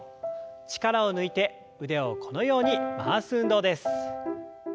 力を抜いて腕をこのように回す運動です。